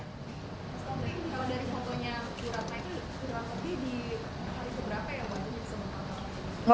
kalau dari fotonya suratnya itu surat lebih di hari ke berapa ya buat jenis semua